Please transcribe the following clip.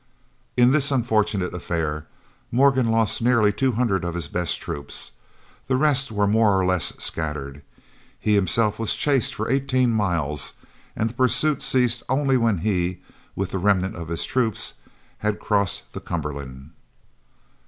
In this unfortunate affair Morgan lost nearly two hundred of his best troops. The rest were more or less scattered. He himself was chased for eighteen miles, and the pursuit ceased only when he, with the remnant of his troops, had crossed the Cumberland.